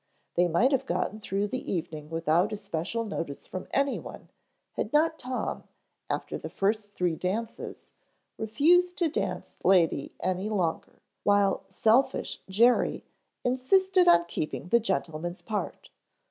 They might have gotten through the evening without especial notice from anyone had not Tom, after the first three dances, refused to dance lady any longer, while selfish Jerry insisted on keeping the gentleman's part.